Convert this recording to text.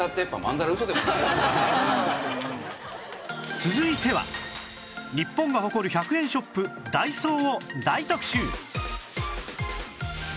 続いては日本が誇る１００円ショップダイソーを大特集！